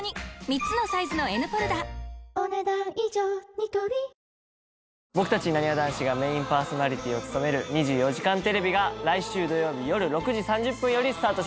ニトリ僕たちなにわ男子がメインパーソナリティーを務める『２４時間テレビ』が来週土曜日夜６時３０分よりスタートします。